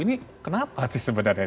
ini kenapa sih sebenarnya